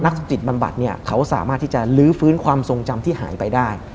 จิตบำบัดเนี่ยเขาสามารถที่จะลื้อฟื้นความทรงจำที่หายไปได้